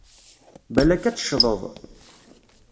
Balak ad teccḍeḍ!